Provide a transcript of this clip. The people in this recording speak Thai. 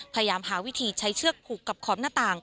พยายามหาวิธีใช้เชือกผูกกับขอบหน้าต่าง